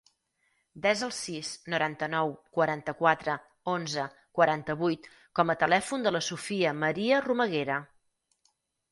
Desa el sis, noranta-nou, quaranta-quatre, onze, quaranta-vuit com a telèfon de la Sofia maria Romaguera.